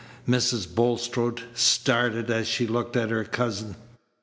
Mrs. Bulstrode started as she looked at her cousin.